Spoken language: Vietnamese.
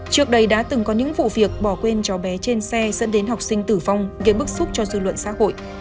trước đây đã từng có những vụ việc bỏ quên cháu bé trên xe dẫn đến học sinh tử vong gây bức xúc cho dư luận xã hội